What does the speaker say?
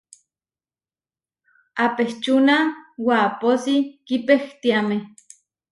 Apečúna wapósi kipehtiáme.